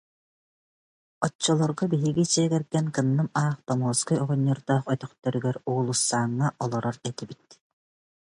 Оччолорго биһиги дьиэ кэргэн кынным аах Томуоскай оҕонньордоох өтөхтөрүгэр Уулуссаҥҥа олорор этибит